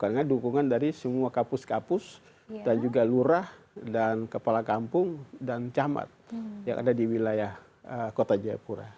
karena dukungan dari semua kapus kapus dan juga lura dan kepala kampung dan camat yang ada di wilayah kota jaipura